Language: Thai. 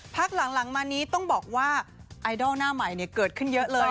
พักหลังมานี้ต้องบอกว่าไอดอลหน้าใหม่เกิดขึ้นเยอะเลย